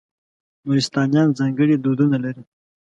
نورستانیان ځانګړي دودونه لري.